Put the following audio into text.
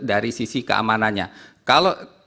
dari sisi keamanannya kalau